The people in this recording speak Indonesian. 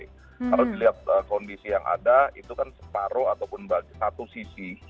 kalau dilihat kondisi yang ada itu kan separuh ataupun satu sisi